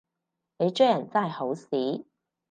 你追人真係好屎